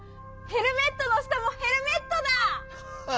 ヘルメットの下もヘルメットだ！